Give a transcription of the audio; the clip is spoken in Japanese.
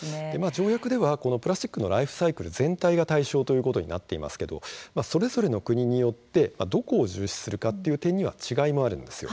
条約ではプラスチックのライフサイクル全体が対象となっていますがそれぞれの国によってどこを重視するかという点には違いがあります。